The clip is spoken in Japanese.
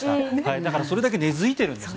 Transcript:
だから、それだけ根付いているんですね。